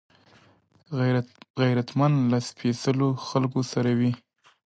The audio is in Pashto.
غیرتمند له سپېڅلو خلکو سره وي